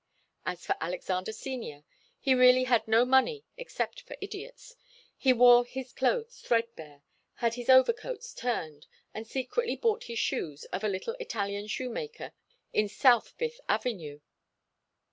As for Alexander Senior, he really had no money except for idiots; he wore his clothes threadbare, had his overcoats turned, and secretly bought his shoes of a little Italian shoemaker in South Fifth Avenue.